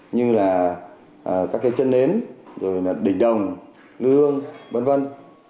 như là các chân nến đình đồng bát hương bát hương